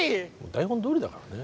台本どおりだからね。